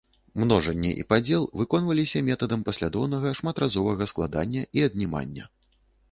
Множанне і падзел выконваліся метадам паслядоўнага шматразовага складання і аднімання.